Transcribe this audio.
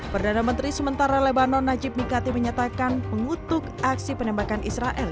perdana menteri sementara lebanon najib nikati menyatakan mengutuk aksi penembakan israel